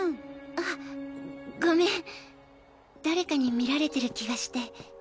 あゴメン誰かに見られてる気がして。